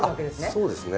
あっそうですね。